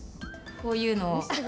こういうのを。